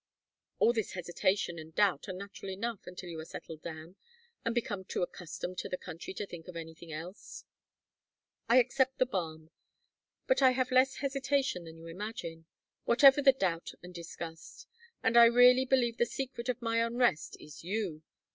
"All this hesitation and doubt are natural enough until you are settled down, and become too accustomed to the country to think of anything else " "I accept the balm. But I have less hesitation than you imagine whatever the doubt and disgust. And I really believe the secret of my unrest is you!